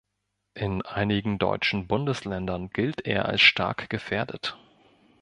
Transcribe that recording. In einigen deutschen Bundesländern gilt er als stark gefährdet.